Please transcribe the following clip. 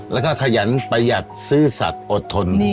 แล้วก็ขยันประหยัดซื่อสัตว์อดทน